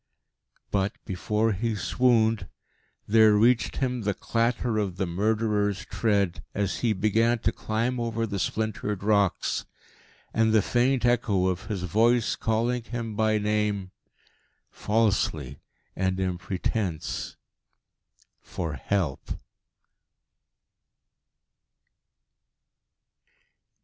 But, before he swooned, there reached him the clatter of the murderer's tread as he began to climb over the splintered rocks, and the faint echo of his voice, calling him by name falsely and in pretence for help.